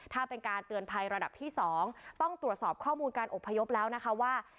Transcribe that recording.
ถ้าเป็นการเตือนภัยระดับที่๒ต้องตรวจสอบข้อมูลการอบพยพแล้วนะคะว่า